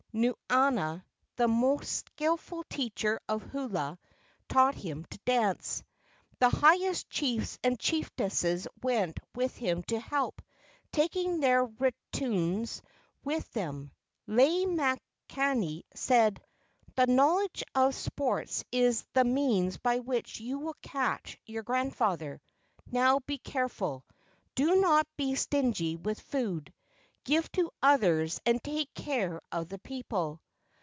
Nuanua, the most skilful teacher of hula, taught him to dance. The highest chiefs and chiefesses went with him to help, taking their retinues with them. Lei makani said: "The knowledge of sports is the means by which you will catch your grandfather. Now be careful. Do not be stingy with food. Give to others and take care of the people."